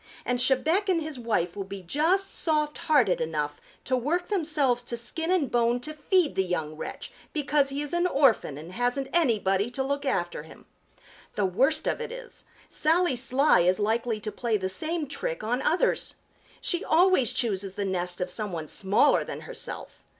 And Chebec and his wife will be just soft hearted enough to work themselves to skin and bone to feed the young wretch because he is an orphan and hasn't anybody to look after him. The worst of it is, Sally Sly is likely to play the same trick on others. She always chooses the nest of some one smaller than herself.